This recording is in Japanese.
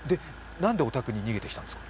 何でお宅に逃げてきたんですか？